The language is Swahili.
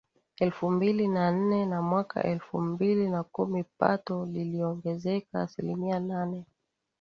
elfu mbili na nne na mwaka elfu mbili na kumi pato liliongezeka asilimia nane